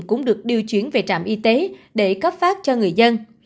cũng được điều chuyển về trạm y tế để cấp phát cho người dân